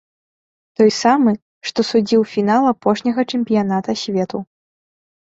Той самы, што судзіў фінал апошняга чэмпіяната свету.